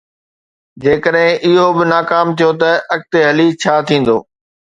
جيڪڏهن اهو به ناڪام ٿيو ته اڳتي هلي ڇا ٿيندو؟